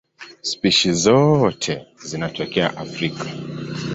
Spishi zote zinatokea Afrika.